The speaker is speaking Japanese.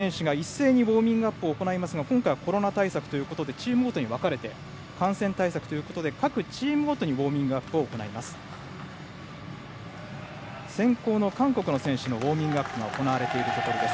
本来なら、４人の選手が一斉にウォーミングアップしますが今回はコロナ対策でチームごとに分かれて感染対策ということで各チームごとにウォーミングアップをします。